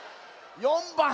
４ばん。